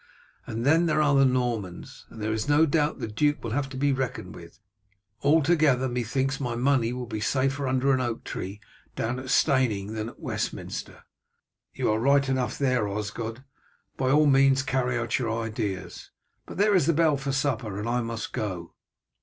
And then there are the Normans, and there is no doubt the duke will have to be reckoned with. Altogether methinks my money will be safer under an oak tree down at Steyning than at Westminster." "You are right enough there, Osgod; by all means carry out your ideas. But there is the bell for supper, and I must go."